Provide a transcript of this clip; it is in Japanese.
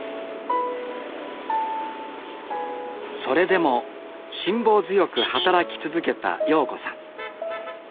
それでも辛抱強く働き続けた陽子さん。